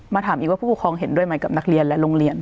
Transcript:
ถามอีกว่าผู้ปกครองเห็นด้วยไหมกับนักเรียนและโรงเรียน